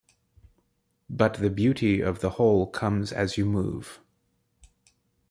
But the beauty of the whole comes as you move.